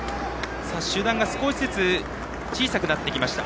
集団が少しずつ小さくなってきました。